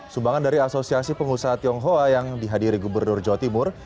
sumbangan dari asosiasi pengusaha tionghoa yang dihadiri gubernur jawa timur